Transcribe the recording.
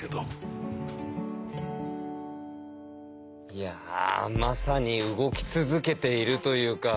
いやまさに動き続けているというか。